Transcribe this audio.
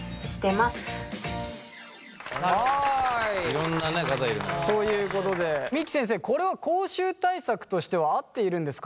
いろんな方いるね。ということで三木先生これは口臭対策としては合っているんですか？